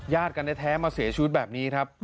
ญาติกันได้แท้มาเสียชีวิตแบบนี้ครับ